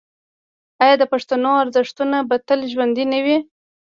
آیا د پښتنو ارزښتونه به تل ژوندي نه وي؟